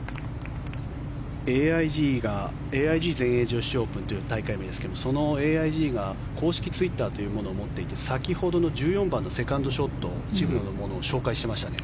ＡＩＧ女子オープンという大会名ですが、そのＡＩＧが公式ツイッターというものを持っていて先ほどの１４番のセカンドショット渋野のものを紹介していましたね。